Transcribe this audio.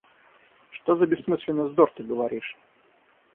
Что за бессмысленный вздор ты говоришь!